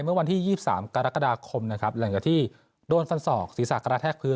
เมื่อวันที่๒๓กรกฎาคมนะครับหลังจากที่โดนฟันศอกศีรษะกระแทกพื้น